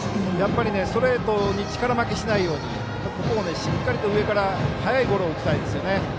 ストレートに力負けしないようにここをしっかりと上から速いゴロを打ちたいですよね。